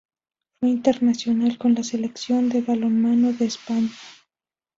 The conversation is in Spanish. Fue internacional con la selección de balonmano de España.